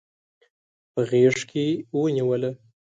په غیږ کې ونیوله